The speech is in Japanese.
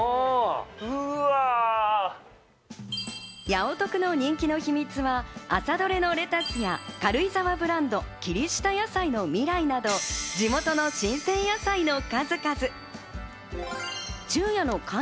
ヤオトクの人気の秘密は朝どれのレタスや軽井沢ブランド、切りした野菜のみらいなど地元の新鮮野菜の数々。